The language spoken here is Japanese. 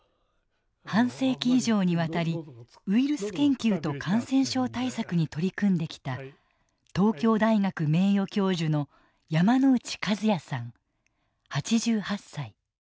半世紀以上にわたりウイルス研究と感染症対策に取り組んできた東京大学名誉教授の山内一也さん８８歳。